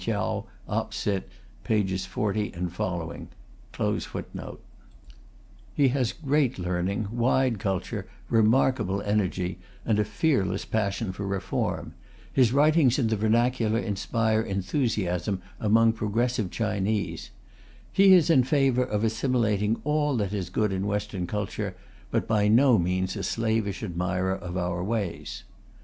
He has great learning, wide culture, remarkable energy, and a fearless passion for reform; his writings in the vernacular inspire enthusiasm among progressive Chinese. He is in favour of assimilating all that is good in Western culture, but by no means a slavish admirer of our ways.